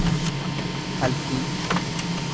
palpii